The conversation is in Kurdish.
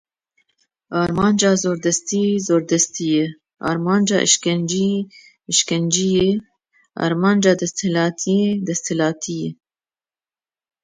Armanca zordestiyê zordestî ye, armanca êşkenceyê êşkence ye, armanca desthilatiyê desthilatî ye.